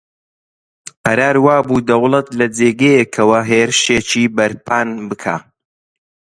قەرار وا بوو دەوڵەت لە جێگەیەکەوە هێرشێکی بەرپان بکا